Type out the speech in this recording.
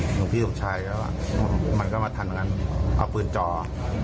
หลวงพี่สุขชายแล้วมันก็มาทำดังนั้นเอาปืนจอผมก็เตะ